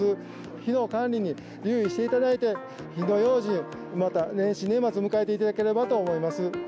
火の管理に留意していただいて、火の用心、また年始、年末迎えていただければと思います。